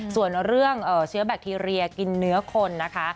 ส่วนเรื่องเชื้อแบคทีเรียกินเนื้อคนนะคะ